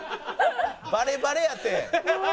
バレバレやって。